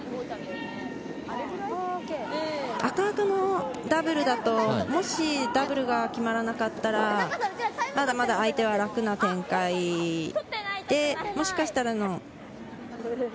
赤と赤のダブルだとダブルが決まらなかったらまだまだ相手は楽な展開で、もしかしたら。